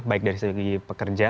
baik dari segi pekerja